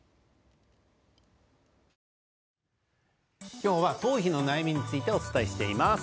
今日は頭皮の悩みについてお伝えしています。